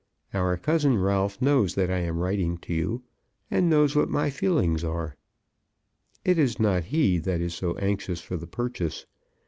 Our cousin Ralph knows that I am writing to you, and knows what my feelings are. It is not he that is so anxious for the purchase.